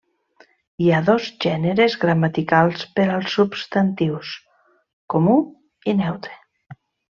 Hi ha dos gèneres gramaticals per als substantius: comú i neutre.